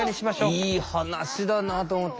いい話だなと思って。